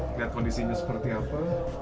lihat kondisinya seperti apa